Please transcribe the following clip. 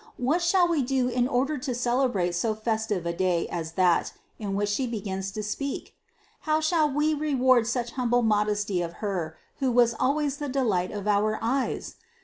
What shall We do in order to celebrate so fes tive a day as that, in which she begins to speak? How shall We reward such humble modesty of her, who was always the delight of our eyes?